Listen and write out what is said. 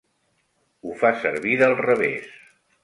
Ho fa servir del revés.